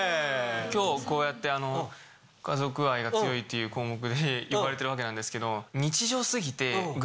今日こうやって「家族愛が強い」っていう項目で呼ばれてるわけなんですけど。